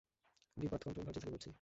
Deep earth control, Virgil থেকে বলছি।